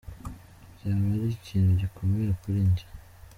"Byaba ari ikintu gikomeye kuri jye.